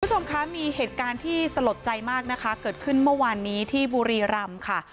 คุณผู้ชมคะมีเหตุการณ์ที่สลดใจมากนะคะเกิดขึ้นเมื่อวานนี้ที่บุรีรำค่ะ